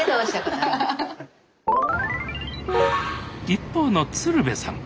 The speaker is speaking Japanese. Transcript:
一方の鶴瓶さん。